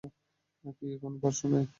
কি, কোন প্রশ্ন নেই?